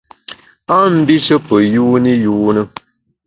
A mbishe pe yuni yune.